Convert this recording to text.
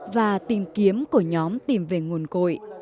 và tìm kiếm của nhóm tìm về nguồn cội